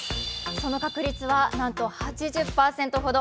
その確率はなんと８０％ほど。